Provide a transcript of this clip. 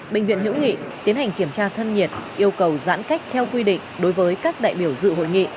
bệnh viện hữu nghị tiến hành kiểm tra thân nhiệt yêu cầu giãn cách theo quy định đối với các đại biểu dự hội nghị